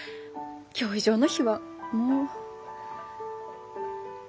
今日以上の日はもう。